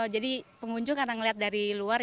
jadi pengunjung karena melihat dari luar